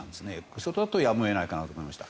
それだとやむを得ないかなと思いました。